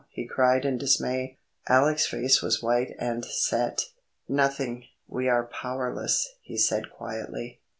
he cried in dismay. Alec's face was white and set. "Nothing—we are powerless," he said quietly.